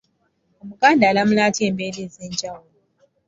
Omuganda alamula atya embeera ez’enjawulo?